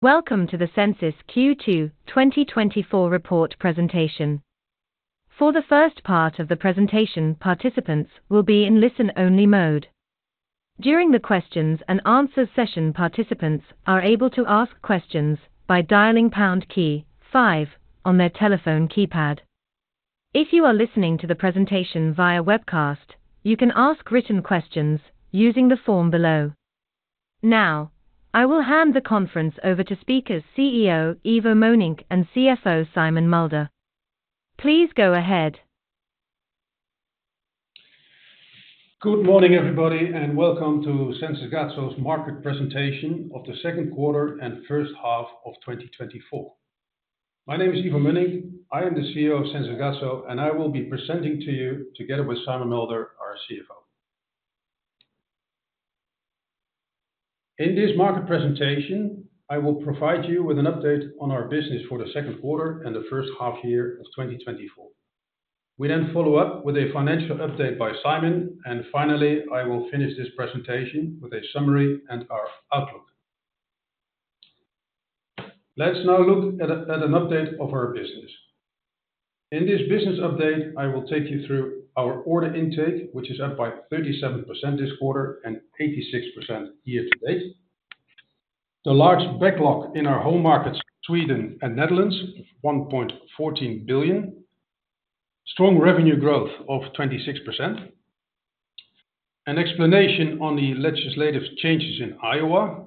Welcome to the Sensys Q2 2024 report presentation. For the first part of the presentation, participants will be in listen-only mode. During the questions-and-answers session, participants are able to ask questions by dialing pound key five on their telephone keypad. If you are listening to the presentation via webcast, you can ask written questions using the form below. Now, I will hand the conference over to speakers CEO, Ivo Mönnink, and CFO, Simon Mulder. Please go ahead. Good morning, everybody, and welcome to Sensys Gatso's market presentation of the second quarter and first half of 2024. My name is Ivo Mönnink. I am the CEO of Sensys Gatso, and I will be presenting to you together with Simon Mulder, our CFO. In this market presentation, I will provide you with an update on our business for the second quarter and the first half year of 2024. We then follow up with a financial update by Simon, and finally, I will finish this presentation with a summary and our outlook. Let's now look at an update of our business. In this business update, I will take you through our order intake, which is up by 37% this quarter and 86% year-to-date. The large backlog in our home markets, Sweden and Netherlands, 1.14 billion. Strong revenue growth of 26%. An explanation on the legislative changes in Iowa.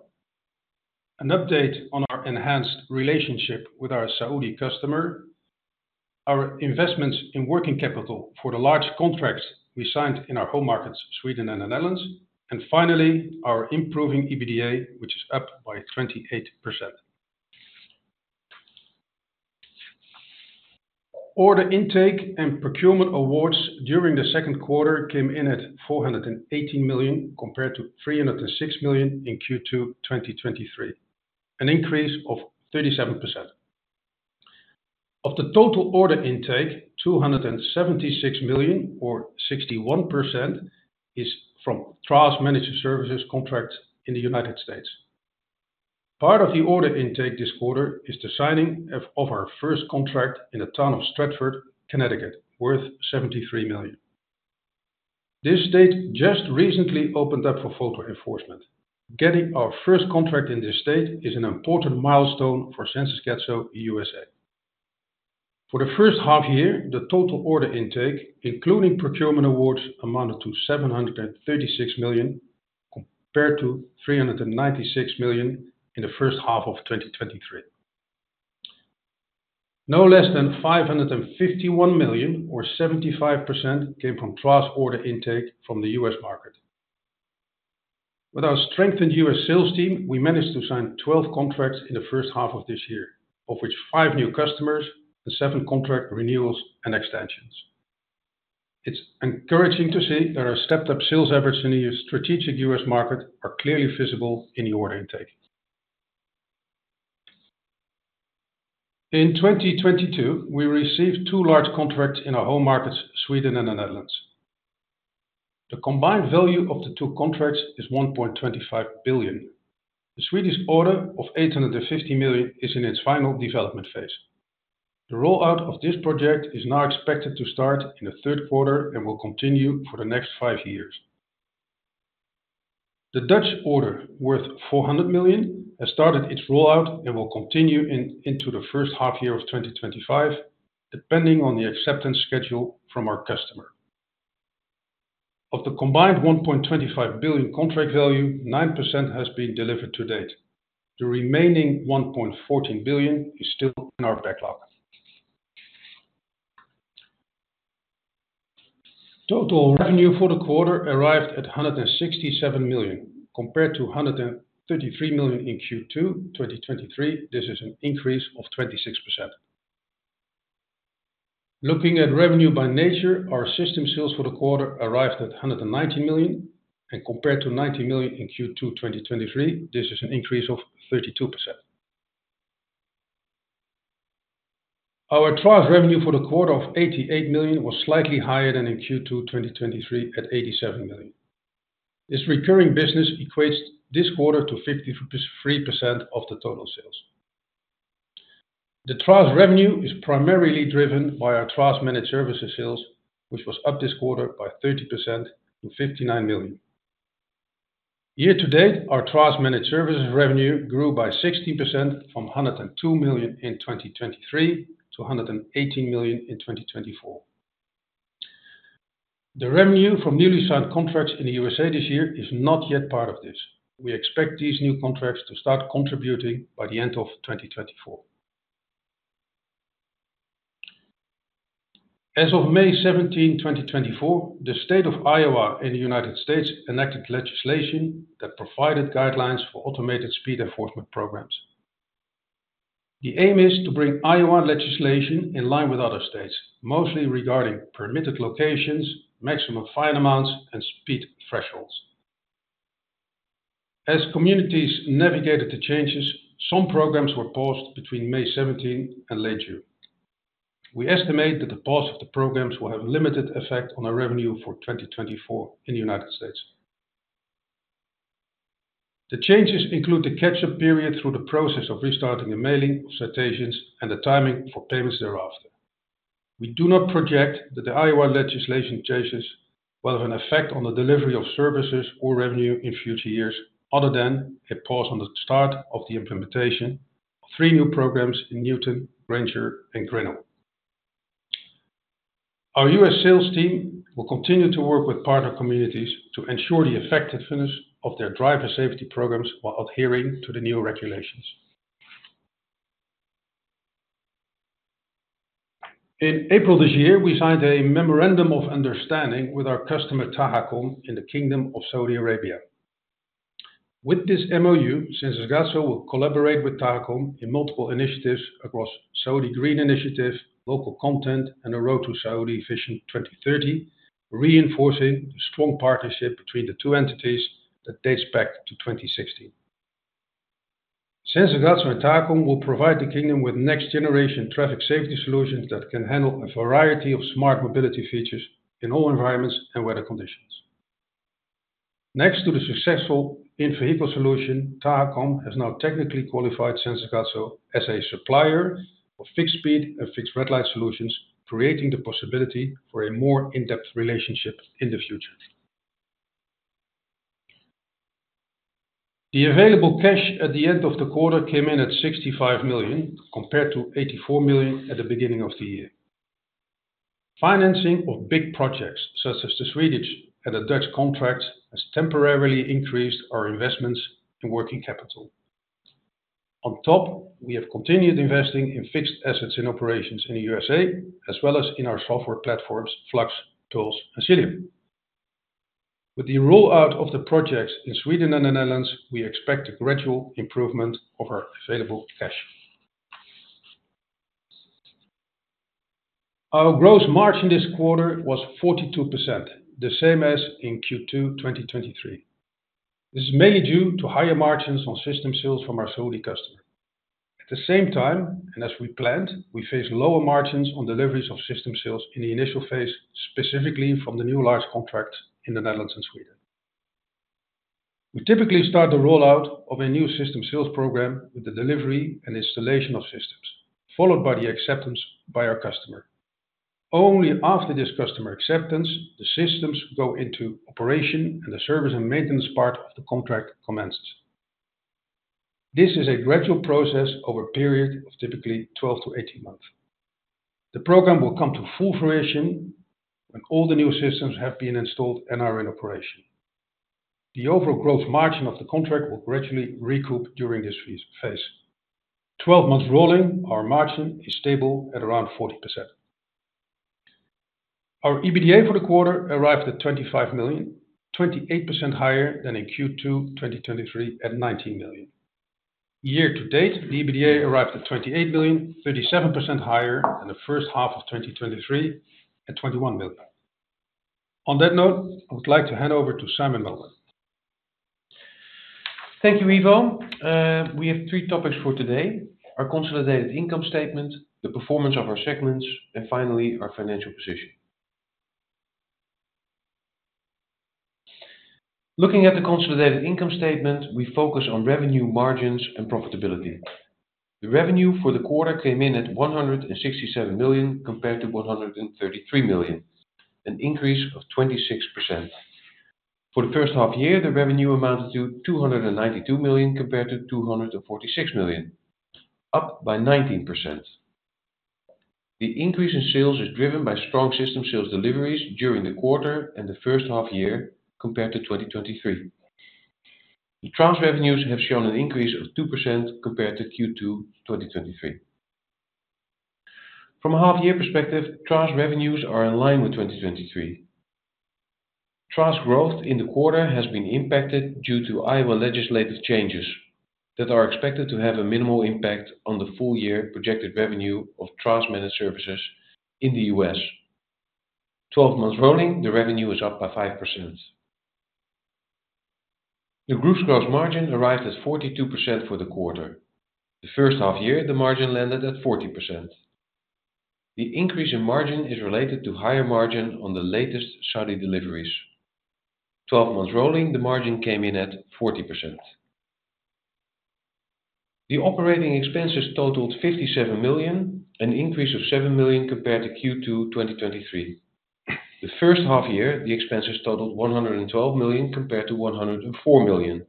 An update on our enhanced relationship with our Saudi customer. Our investments in working capital for the large contracts we signed in our home markets, Sweden and the Netherlands. And finally, our improving EBITDA, which is up by 28%. Order intake and procurement awards during the second quarter came in at 418 million, compared to 306 million in Q2 2023, an increase of 37%. Of the total order intake, 276 million or 61% is from TRaaS Managed Services contract in the United States. Part of the order intake this quarter is the signing of our first contract in the town of Stratford, Connecticut, worth 73 million. This state just recently opened up for photo enforcement. Getting our first contract in this state is an important milestone for Sensys Gatso USA. For the first half year, the total order intake, including procurement awards, amounted to 736 million, compared to 396 million in the first half of 2023. No less than 551 million or 75% came from TRaaS order intake from the U.S. market. With our strengthened U.S. sales team, we managed to sign twelve contracts in the first half of this year, of which five new customers and seven contract renewals and extensions. It's encouraging to see that our stepped-up sales efforts in the strategic U.S. market are clearly visible in the order intake. In 2022, we received two large contracts in our home markets, Sweden and the Netherlands. The combined value of the two contracts is 1.25 billion. The Swedish order of 850 million is in its final development phase. The rollout of this project is now expected to start in the third quarter and will continue for the next five years. The Dutch order, worth 400 million, has started its rollout and will continue into the first half of 2025, depending on the acceptance schedule from our customer. Of the combined 1.25 billion contract value, 9% has been delivered to date. The remaining 1.14 billion is still in our backlog. Total revenue for the quarter arrived at 167 million, compared to 133 million in Q2 2023. This is an increase of 26%. Looking at revenue by nature, our System Sales for the quarter arrived at 190 million, and compared to 90 million in Q2 2023, this is an increase of 32%. Our TRaaS revenue for the quarter of 88 million was slightly higher than in Q2 2023 at 87 million. This recurring business equates this quarter to 53% of the total sales. The TRaaS revenue is primarily driven by our TRaaS Managed Services sales, which was up this quarter by 30% to 59 million. Year-to-date, our TRaaS Managed Services revenue grew by 60% from 102 million in 2023 to 118 million in 2024. The revenue from newly signed contracts in the USA this year is not yet part of this. We expect these new contracts to start contributing by the end of 2024. As of May 17th, 2024, the State of Iowa in the United States enacted legislation that provided guidelines for automated speed enforcement programs. The aim is to bring Iowa legislation in line with other states, mostly regarding permitted locations, maximum fine amounts, and speed thresholds. As communities navigated the changes, some programs were paused between May 17 and late June. We estimate that the pause of the programs will have limited effect on our revenue for 2024 in the United States. The changes include the catch-up period through the process of restarting the mailing of citations and the timing for payments thereafter. We do not project that the Iowa legislation changes will have an effect on the delivery of services or revenue in future years, other than a pause on the start of the implementation of three new programs in Newton, Granger, and Grinnell. Our U.S. sales team will continue to work with partner communities to ensure the effectiveness of their driver safety programs while adhering to the new regulations. In April this year, we signed a memorandum of understanding with our customer, Tahakom, in the Kingdom of Saudi Arabia. With this MOU, Sensys Gatso will collaborate with Tahakom in multiple initiatives across Saudi Green Initiative, Local Content, and the Road to Saudi Vision 2030, reinforcing the strong partnership between the two entities that dates back to 2016. Sensys Gatso and Tahakom will provide the kingdom with next generation traffic safety solutions that can handle a variety of smart mobility features in all environments and weather conditions. Next to the successful in-vehicle solution, Tahakom has now technically qualified Sensys Gatso as a supplier of fixed speed and fixed red-light solutions, creating the possibility for a more in-depth relationship in the future. The available cash at the end of the quarter came in at 65 million, compared to 84 million at the beginning of the year. Financing of big projects, such as the Swedish and the Dutch contracts, has temporarily increased our investments in working capital. On top, we have continued investing in fixed assets and operations in the USA, as well as in our software platforms, Flux, Puls, and Xilium. With the rollout of the projects in Sweden and the Netherlands, we expect a gradual improvement of our available cash. Our gross margin this quarter was 42%, the same as in Q2 2023. This is mainly due to higher margins on System Sales from our Saudi customer. At the same time, and as we planned, we face lower margins on deliveries of System Sales in the initial phase, specifically from the new large contracts in the Netherlands and Sweden. We typically start the rollout of a new System Sales program with the delivery and installation of systems, followed by the acceptance by our customer. Only after this customer acceptance, the systems go into operation and the service and maintenance part of the contract commences. This is a gradual process over a period of typically 12-18 months. The program will come to full fruition when all the new systems have been installed and are in operation. The overall gross margin of the contract will gradually recoup during this phase. Twelve months rolling, our margin is stable at around 40%. Our EBITDA for the quarter arrived at 25 million, 28% higher than in Q2 2023 at 19 million. Year-to-date, the EBITDA arrived at 28 million, 37% higher than the first half of 2023 at 21 million. On that note, I would like to hand over to Simon Mulder. Thank you, Ivo. We have three topics for today: our consolidated income statement, the performance of our segments, and finally, our financial position. Looking at the consolidated income statement, we focus on revenue margins and profitability. The revenue for the quarter came in at 167 million, compared to 133 million, an increase of 26%. For the first half year, the revenue amounted to 292 million, compared to 246 million, up by 19%. The increase in sales is driven by strong System Sales deliveries during the quarter and the first half year compared to 2023. The TRaaS revenues have shown an increase of 2% compared to Q2 2023. From a half year perspective, TRaaS revenues are in line with 2023. TRaaS growth in the quarter has been impacted due to Iowa legislative changes that are expected to have a minimal impact on the full year projected revenue of TRaaS Managed Services in the U.S. 12 months rolling, the revenue is up by 5%. The group's gross margin arrived at 42% for the quarter. The first half year, the margin landed at 40%. The increase in margin is related to higher margin on the latest Saudi deliveries. 12 months rolling, the margin came in at 40%. The operating expenses totaled 57 million, an increase of 7 million compared to Q2 2023. The first half year, the expenses totaled 112 million, compared to 104 million.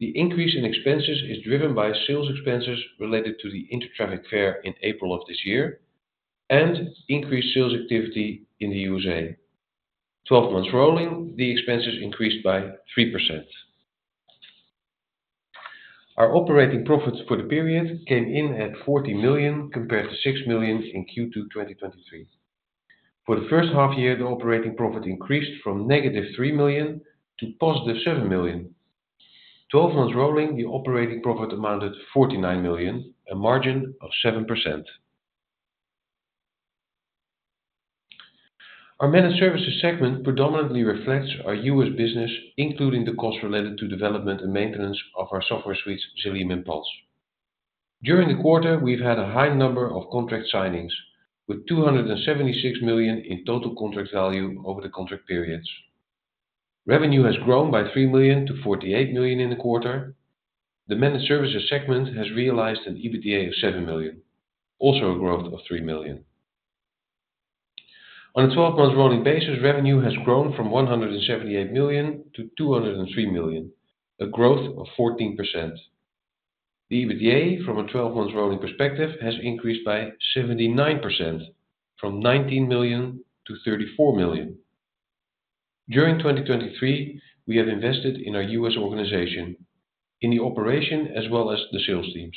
The increase in expenses is driven by sales expenses related to the Intertraffic fair in April of this year and increased sales activity in the USA. 12 months rolling, the expenses increased by 3%. Our operating profits for the period came in at 40 million, compared to 6 million in Q2 2023. For the first half year, the operating profit increased from negative 3 million to positive 7 million. 12 months rolling, the operating profit amounted 49 million, a margin of 7%.... Our Managed Services segment predominantly reflects our U.S. business, including the costs related to development and maintenance of our software suites, Xilium and Puls. During the quarter, we've had a high number of contract signings, with 276 million in total contract value over the contract periods. Revenue has grown by 3 million to 48 million in the quarter. The Managed Services segment has realized an EBITDA of 7 million, also a growth of 3 million. On a 12-month rolling basis, revenue has grown from 178 million to 203 million, a growth of 14%. The EBITDA from a 12-month rolling perspective has increased by 79%, from 19 million to 34 million. During 2023, we have invested in our U.S. organization, in the operation as well as the sales teams.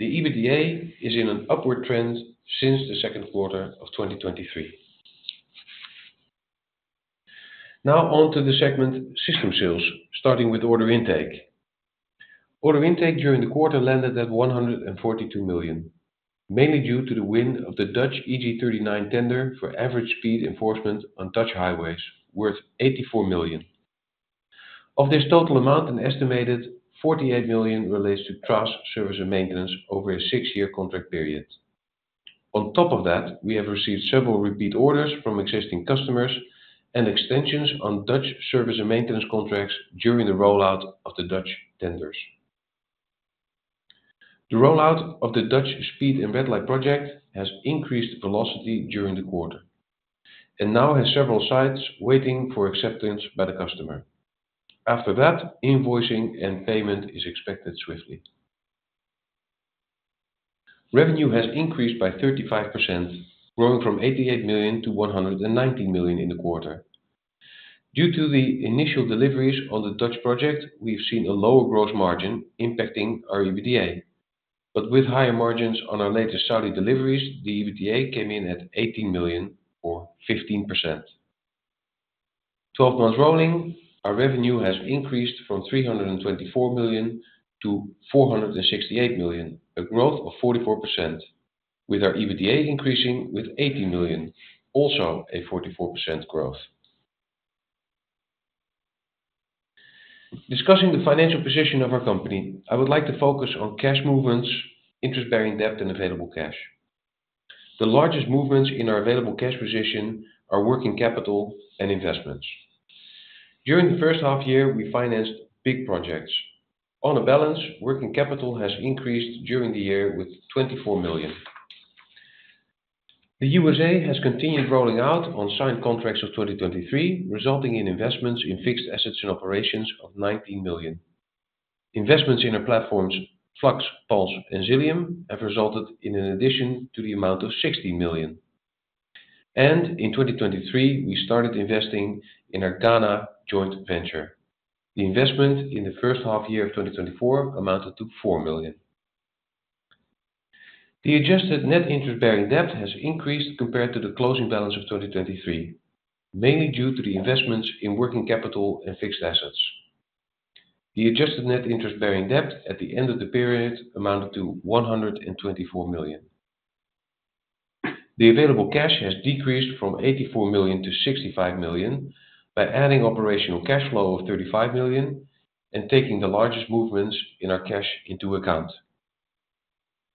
The EBITDA is in an upward trend since the second quarter of 2023. Now on to the segment System Sales, starting with order intake. Order intake during the quarter landed at 142 million, mainly due to the win of the Dutch EG39 tender for average speed enforcement on Dutch highways, worth 84 million. Of this total amount, an estimated 48 million relates to TRaaS, service, and maintenance over a six-year contract period. On top of that, we have received several repeat orders from existing customers and extensions on Dutch service and maintenance contracts during the rollout of the Dutch tenders. The rollout of the Dutch speed and red light project has increased velocity during the quarter, and now has several sites waiting for acceptance by the customer. After that, invoicing and payment is expected swiftly. Revenue has increased by 35%, growing from 88 million to 190 million in the quarter. Due to the initial deliveries on the Dutch project, we've seen a lower gross margin impacting our EBITDA. But with higher margins on our latest Saudi deliveries, the EBITDA came in at 18 million or 15%. Twelve months rolling, our revenue has increased from 324 million to 468 million, a growth of 44%, with our EBITDA increasing with 80 million, also a 44% growth. Discussing the financial position of our company, I would like to focus on cash movements, interest-bearing debt, and available cash. The largest movements in our available cash position are working capital and investments. During the first half year, we financed big projects. On balance, working capital has increased during the year with 24 million. The USA has continued rolling out on signed contracts of 2023, resulting in investments in fixed assets and operations of 19 million. Investments in our platforms, Flux, Puls, and Xilium, have resulted in an addition to the amount of 16 million. In 2023, we started investing in our Ghana joint venture. The investment in the first half year of 2024 amounted to four million. The adjusted net interest-bearing debt has increased compared to the closing balance of 2023, mainly due to the investments in working capital and fixed assets. The adjusted net interest-bearing debt at the end of the period amounted to 124 million. The available cash has decreased from 84 million to 65 million by adding operational cash flow of 35 million and taking the largest movements in our cash into account.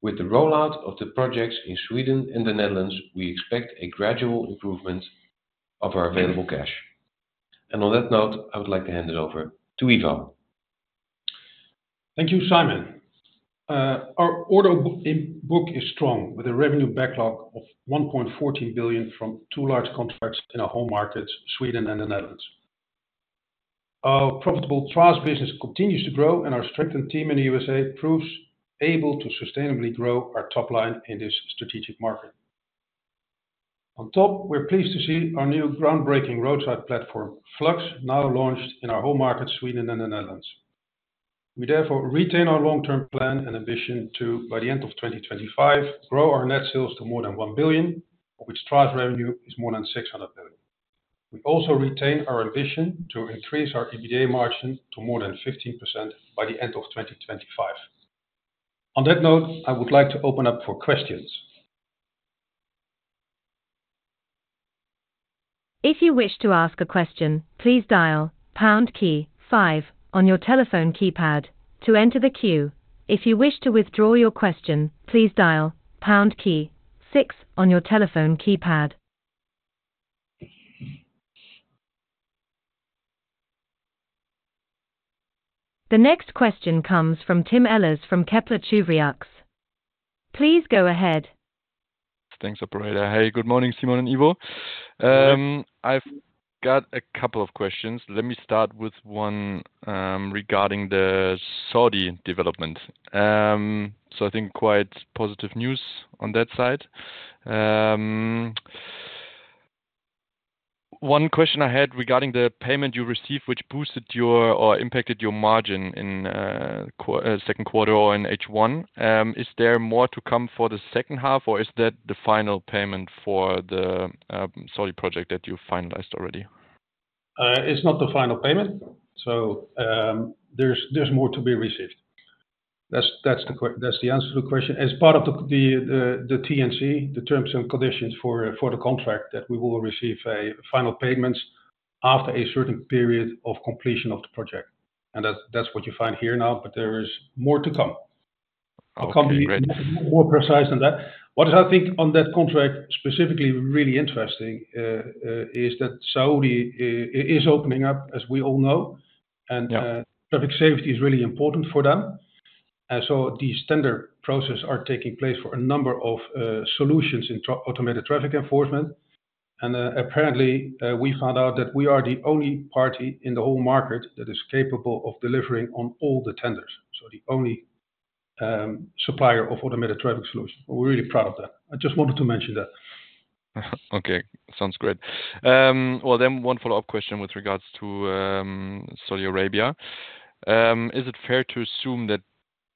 With the rollout of the projects in Sweden and the Netherlands, we expect a gradual improvement of our available cash. And on that note, I would like to hand it over to Ivo. Thank you, Simon. Our order book is strong, with a revenue backlog of 1.14 billion from two large contracts in our home markets, Sweden and the Netherlands. Our profitable TRaaS business continues to grow, and our strengthened team in the USA proves able to sustainably grow our top line in this strategic market. On top, we're pleased to see our new groundbreaking roadside platform, Flux, now launched in our home markets, Sweden and the Netherlands. We therefore retain our long-term plan and ambition to, by the end of 2025, grow our net sales to more than 1 billion, of which TRaaS revenue is more than 600 million. We also retain our ambition to increase our EBITDA margin to more than 15% by the end of 2025. On that note, I would like to open up for questions. If you wish to ask a question, please dial pound key five on your telephone keypad to enter the queue. If you wish to withdraw your question, please dial pound key six on your telephone keypad. The next question comes from Tim Ehlers from Kepler Cheuvreux. Please go ahead. Thanks, operator. Hey, good morning, Simon and Ivo. I've got a couple of questions. Let me start with one, regarding the Saudi development. So, I think quite positive news on that side. One question I had regarding the payment you received, which boosted your or impacted your margin in, second quarter or in H1. Is there more to come for the second half, or is that the final payment for the, Saudi project that you finalized already? It's not the final payment, so there's more to be received. That's the answer to the question. As part of the T&Cs, the terms and conditions for the contract, that we will receive final payments after a certain period of completion of the project, and that's what you find here now, but there is more to come. Okay, great. I can't be more precise than that. What I think on that contract, specifically really interesting, is that Saudi is opening up, as we all know- Yeah... and public safety is really important for them. And so these tender process are taking place for a number of solutions in automated traffic enforcement. And apparently we found out that we are the only party in the whole market that is capable of delivering on all the tenders. So the only supplier of automated traffic solution. We're really proud of that. I just wanted to mention that. Okay, sounds great. Well, then one follow-up question with regards to Saudi Arabia. Is it fair to assume that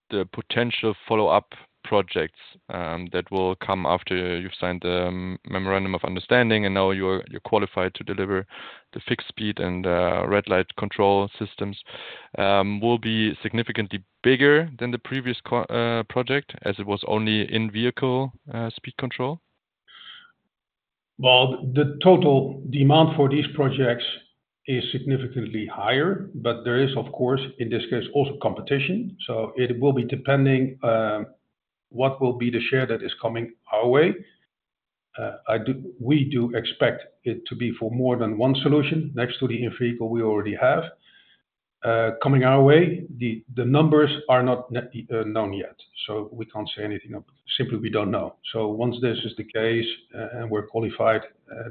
the potential follow-up projects that will come after you've signed the memorandum of understanding and now you're qualified to deliver the fixed speed and red light control systems will be significantly bigger than the previous project, as it was only in vehicle speed control? Well, the total demand for these projects is significantly higher, but there is, of course, in this case, also competition. So it will be depending what will be the share that is coming our way. We do expect it to be for more than one solution next to the in-vehicle we already have coming our way. The numbers are not known yet, so we can't say anything. Simply, we don't know. So once this is the case, and we're qualified,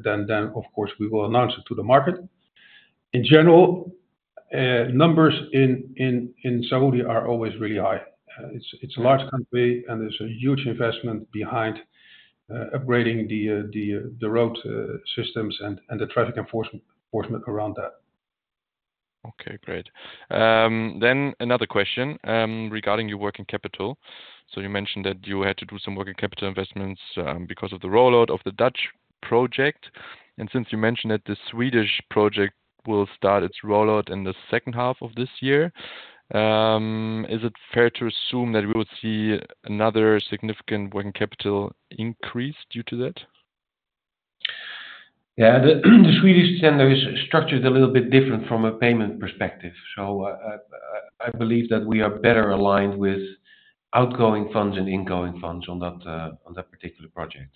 then of course, we will announce it to the market. In general, numbers in Saudi are always really high. It's a large country, and there's a huge investment behind upgrading the road systems and the traffic enforcement around that. Okay, great. Then another question, regarding your working capital. So you mentioned that you had to do some working capital investments, because of the rollout of the Dutch project. And since you mentioned that the Swedish project will start its rollout in the second half of this year, is it fair to assume that we would see another significant working capital increase due to that? Yeah, the Swedish tender is structured a little bit different from a payment perspective, so I believe that we are better aligned with outgoing funds and incoming funds on that particular project,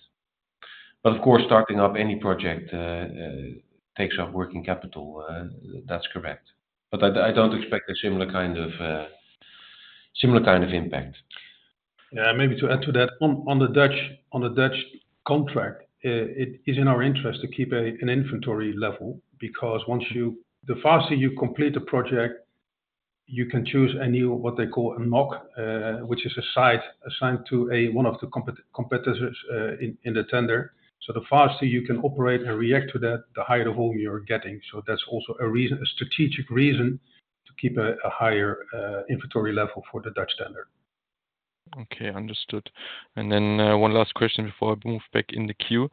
but of course, starting up any project takes up working capital, that's correct, but I don't expect a similar kind of impact. Yeah, maybe to add to that, on the Dutch contract, it is in our interest to keep an inventory level, because the faster you complete a project, you can choose a new, what they call a MOC, which is a site assigned to one of the competitors in the tender. So the faster you can operate and react to that, the higher the volume you're getting. So that's also a reason, a strategic reason, to keep a higher inventory level for the Dutch tender. Okay, understood. And then, one last question before I move back in the queue.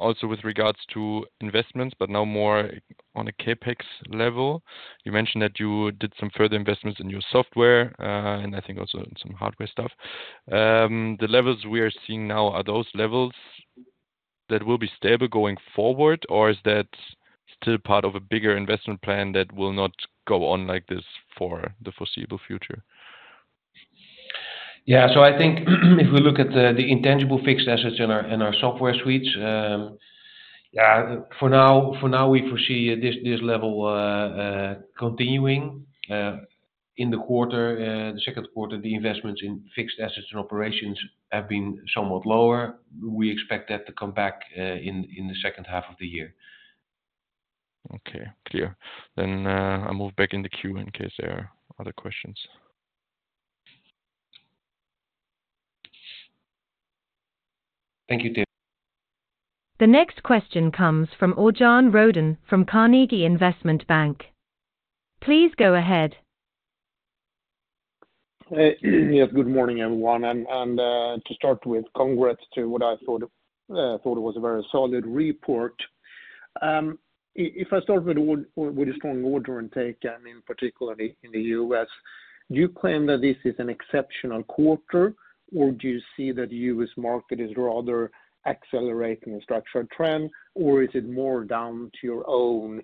Also with regards to investments, but now more on a CapEx level. You mentioned that you did some further investments in your software, and I think also in some hardware stuff. The levels we are seeing now, are those levels that will be stable going forward, or is that still part of a bigger investment plan that will not go on like this for the foreseeable future? Yeah, so I think if we look at the intangible fixed assets in our software suites, yeah, for now we foresee this level continuing. In the second quarter, the investments in fixed assets and operations have been somewhat lower. We expect that to come back in the second half of the year. Okay, clear. Then, I move back in the queue in case there are other questions. Thank you, Tim. The next question comes from Örjan Rödén, from Carnegie Investment Bank. Please go ahead. Yes, good morning, everyone. And to start with, congrats to what I thought it was a very solid report. If I start with the strong order intake, I mean, particularly in the U.S., do you claim that this is an exceptional quarter, or do you see that the U.S. market is rather accelerating a structural trend, or is it more down to your own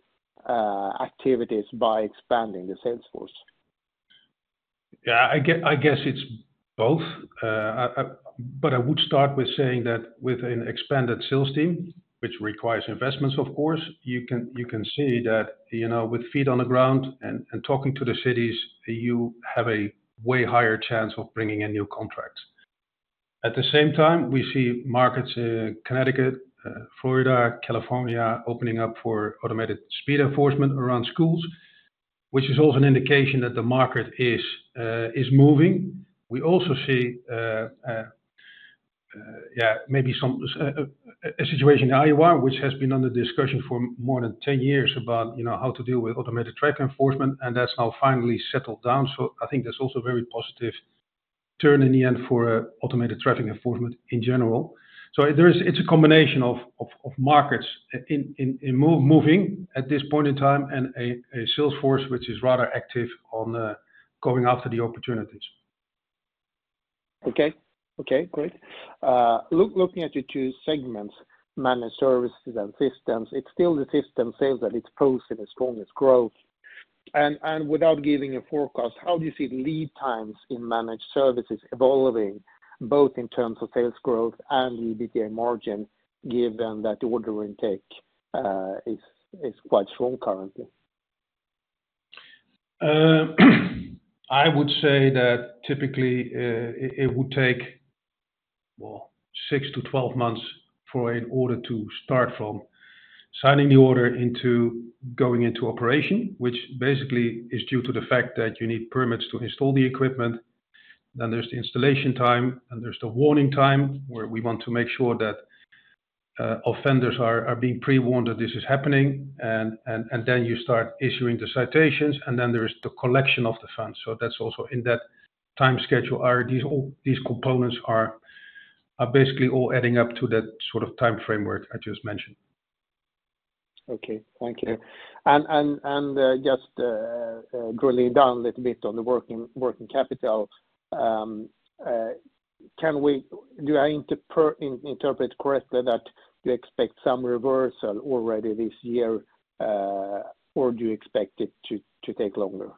activities by expanding the sales force? Yeah, I guess it's both. But I would start with saying that with an expanded sales team, which requires investments, of course, you can see that, you know, with feet on the ground and talking to the cities, you have a way higher chance of bringing in new contracts. At the same time, we see markets in Connecticut, Florida, California, opening up for automated speed enforcement around schools, which is also an indication that the market is moving. We also see yeah, maybe some a situation in Iowa which has been under discussion for more than 10 years about, you know, how to deal with automated traffic enforcement, and that's now finally settled down. So I think that's also very positive turn in the end for automated traffic enforcement in general. So there is. It's a combination of markets in motion moving at this point in time, and a sales force, which is rather active on going after the opportunities. Okay. Okay, great. Looking at your two segments, Managed Services and System, it's still the System Sales that it's posting the strongest growth. And without giving a forecast, how do you see the lead times in Managed Services evolving, both in terms of sales growth and EBITDA margin, given that the order intake is quite strong currently? I would say that typically, it would take, well, six to 12 months for an order to start from signing the order into going into operation, which basically is due to the fact that you need permits to install the equipment. Then there's the installation time, and there's the warning time, where we want to make sure that offenders are being pre-warned that this is happening. And then you start issuing the citations, and then there is the collection of the funds. So that's also in that time schedule. These components are basically all adding up to that sort of time framework I just mentioned. Okay, thank you and just drilling down a little bit on the working capital. Do I interpret correctly that you expect some reversal already this year, or do you expect it to take longer?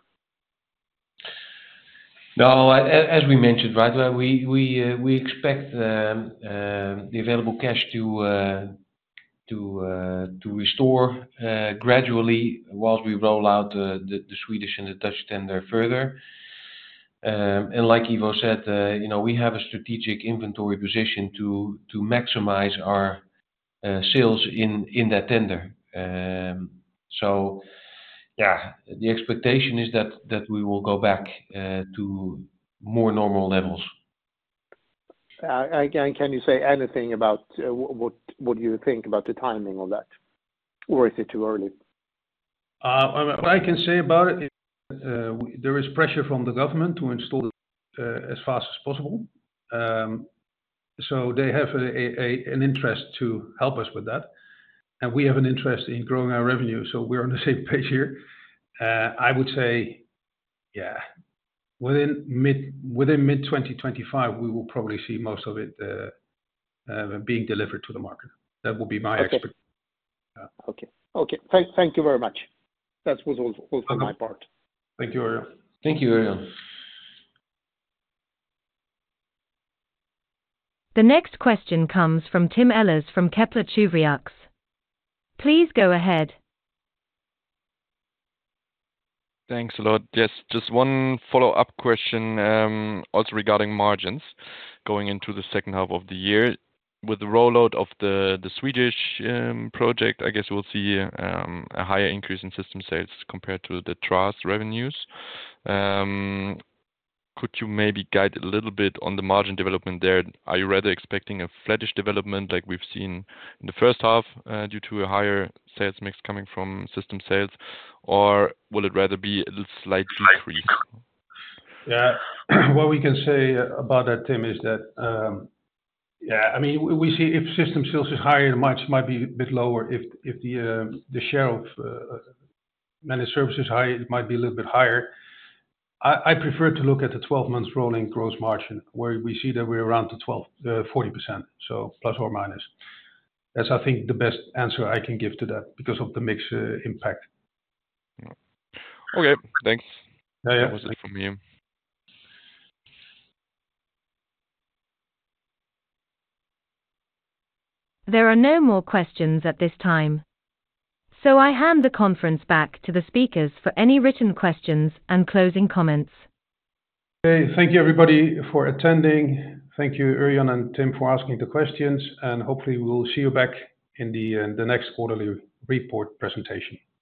No, as we mentioned, right, we expect the available cash to restore gradually while we roll out the Swedish and the Dutch tender further. And like Ivo said, you know, we have a strategic inventory position to maximize our sales in that tender. So yeah, the expectation is that we will go back to more normal levels. Can you say anything about what you think about the timing on that, or is it too early? What I can say about it is, there is pressure from the government to install as fast as possible. So they have an interest to help us with that, and we have an interest in growing our revenue, so we're on the same page here. I would say, yeah, within mid-2025, we will probably see most of it being delivered to the market. That would be my expert- Okay. Thank you very much. That was all for my part. Thank you, Örjan. Thank you, Örjan. The next question comes from Tim Ehlers from Kepler Cheuvreux. Please go ahead. Thanks a lot. Just one follow-up question, also regarding margins going into the second half of the year. With the rollout of the Swedish project, I guess we'll see a higher increase in System Sales compared to the TRaaS revenues. Could you maybe guide a little bit on the margin development there? Are you rather expecting a flattish development like we've seen in the first half, due to a higher sales mix coming from System Sales, or will it rather be a slightly increased? Yeah. What we can say about that, Tim, is that, yeah, I mean, we see if System Sales is higher, much might be a bit lower. If the share of Managed Services is high, it might be a little bit higher. I prefer to look at the twelve months rolling gross margin, where we see that we're around the 12, 40 percent, so plus or minus. That's, I think, the best answer I can give to that because of the mix, impact. Okay, thanks. Yeah, yeah. That was it from me. There are no more questions at this time, so I hand the conference back to the speakers for any written questions and closing comments. Okay. Thank you, everybody, for attending. Thank you, Örjan and Tim, for asking the questions, and hopefully we will see you back in the next quarterly report presentation.